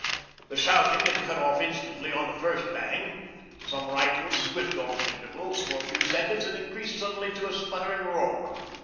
The shouting had cut off instantly on the first bang, some rifles squibbed off at intervals for a few seconds and increased suddenly to a sputtering roar.